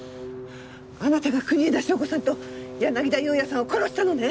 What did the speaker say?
あなたが国枝祥子さんと柳田裕也さんを殺したのね！